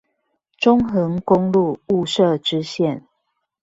中橫公路霧社支線